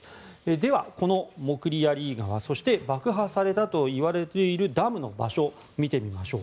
では、このモクリ・ヤリー川そして爆破されたといわれているダムの場所を見てみましょう。